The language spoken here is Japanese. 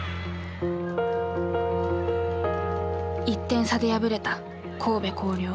１点差で敗れた神戸弘陵。